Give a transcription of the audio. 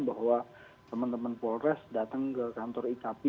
bahwa teman teman polres datang ke kantor ikp